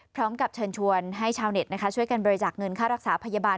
พร้อมกับเชิญชวนให้ชาวเน็ตช่วยกันบริจาคเงินค่ารักษาพยาบาล